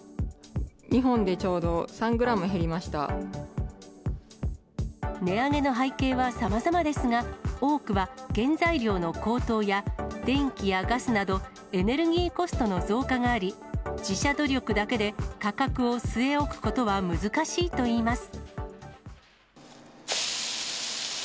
２本でちょうど３グラム減り値上げの背景はさまざまですが、多くは原材料の高騰や、電気やガスなど、エネルギーコストの増加があり、自社努力だけで価格を据え置くことは難しいといいます。